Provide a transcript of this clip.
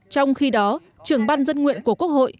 trong khi đó trưởng ban dân nguyện của quốc hội